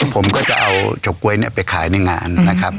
ผมก็จะเอาเฉาก๊วยไปขายในงานนะครับ